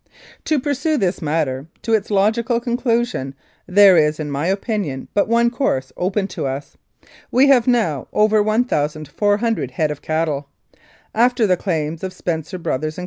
"To pursue this matter to its logical conclusion, there is, in my opinion, but one course open to us. We have now over 1,400 head of cattle. After the claims of Spencer Bros, and Co.